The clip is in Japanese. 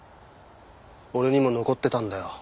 俺にも残ってたんだよ